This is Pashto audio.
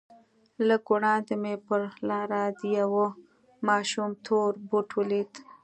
لږ وړاندې مې پر لاره د يوه ماشوم تور بوټ ولېد.